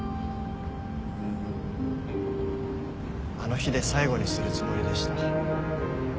あの日で最後にするつもりでした。